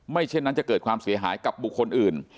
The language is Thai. เช่นนั้นจะเกิดความเสียหายกับบุคคลอื่น